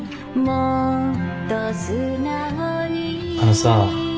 あのさ。